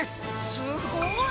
すごい！